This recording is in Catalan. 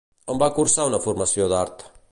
On va cursar una formació d'art?